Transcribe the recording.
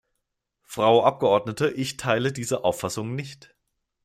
Frau Abgeordnete, ich teile diese Auffassung nicht.